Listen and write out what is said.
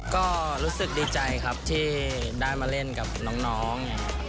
ก็รู้สึกดีใจครับที่ได้มาเล่นกับน้อง